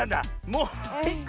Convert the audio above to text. もういっこ。